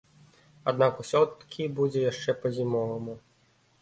Аднак усё-ткі будзе яшчэ па-зімоваму.